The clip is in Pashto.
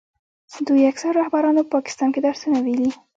دوی اکثرو رهبرانو په پاکستان کې درسونه ویلي.